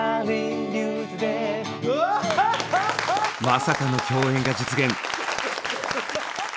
まさかの共演が実現！